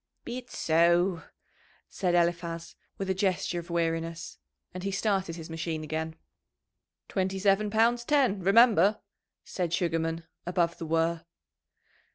"Be it so," said Eliphaz, with a gesture of weariness, and he started his machine again. "Twenty seven pounds ten, remember," said Sugarman, above the whirr.